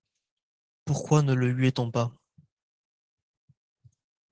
Pourquoi ne le huait-on pas?